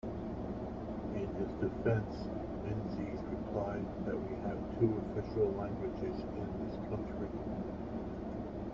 In his defence, Menzies replied that we have two official languages in this country.